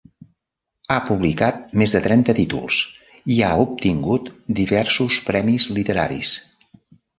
Ha publicat més de trenta títols i ha obtingut diversos premis literaris.